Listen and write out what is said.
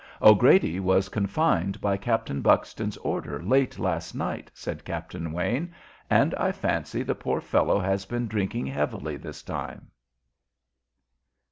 "O'Grady was confined by Captain Buxton's order late last night," said Captain Wayne, "and I fancy the poor fellow has been drinking heavily this time."